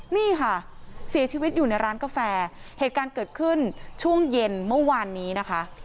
นี่ค่ะเสียชีวิตอยู่ในร้านกาแฟเหตุการณ์เกิดขึ้นช่วงเย็นเมื่อวานนี้นะคะ